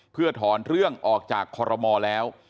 เพื่อถอนเรื่องออกจากคอรมอลแล้ว